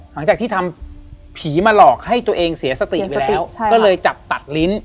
หลังจากที่ทำผีมาหลอกให้ตัวเองเสียสติไปแล้วก็เลยจับตัดลิ้น